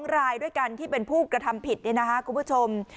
รายด้วยกันที่เป็นผู้กระทำผิดนี่นะคะคุณผู้ชม